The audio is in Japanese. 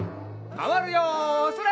まわるよそれ！